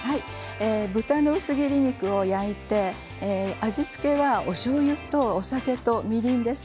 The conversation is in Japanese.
豚の薄切り肉を焼いて味付けは、おしょうゆとお酒とみりんです。